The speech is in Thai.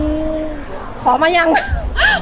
คงเป็นแบบเรื่องปกติที่แบบ